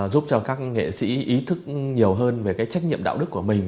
giúp cho các nghệ sĩ ý thức nhiều hơn về cái trách nhiệm đạo đức của mình